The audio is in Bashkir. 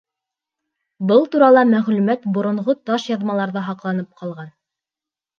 Был турала мәғлүмәт боронғо таш яҙмаларҙа һаҡланып ҡалған...